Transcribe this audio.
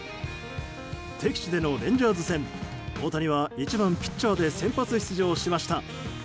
敵地でのレンジャーズ戦大谷は１番ピッチャーで先発出場しました。